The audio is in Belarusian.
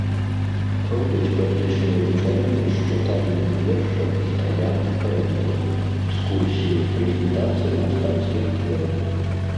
Пройдуць паэтычныя вечарыны з чытаннем вершаў расстраляных паэтаў, экскурсіі, прэзентацыі мастацкіх твораў.